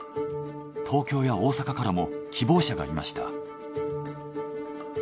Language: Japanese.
東京や大阪からも希望者がいました。